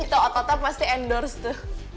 itu ototnya pasti endorse tuh